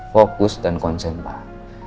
fokus dan konsen pak